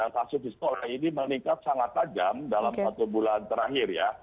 kasus histora ini meningkat sangat tajam dalam satu bulan terakhir ya